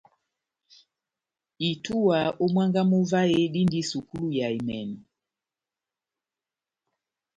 Itúwa ó mwángá mú vahe dindi sukulu ya emɛnɔ.